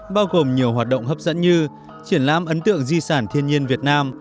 bao gồm nhiều hoạt động hấp dẫn như triển lãm ấn tượng di sản thiên nhiên việt nam